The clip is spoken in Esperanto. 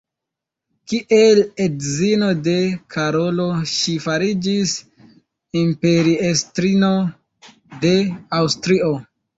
Kiel edzino de Karolo ŝi fariĝis imperiestrino de Aŭstrio.